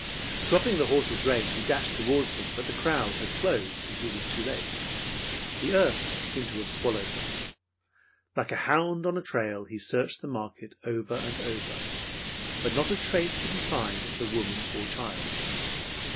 Dropping the horse's rein, he dashed toward them, but the crowd had closed, and he was too late. The earth seemed to have swallowed them. Like a hound on a trail, he searched the market over and over, but not a trace could he find of the woman or child.